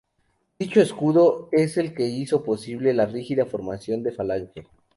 Dicho escudo es el que hizo posible la rígida formación de la falange.